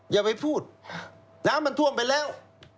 อย่าไปพูดน้ำมันท่วมไปแล้ว